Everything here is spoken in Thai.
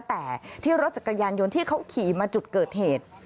แต่ที่รถจักรยานยนต์ที่เขาขี่มาจุดเกิดเหตุ